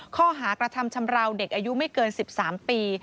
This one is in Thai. ข้อหากระทำชำราวเด็กอายุไม่เกิน๑๓ปี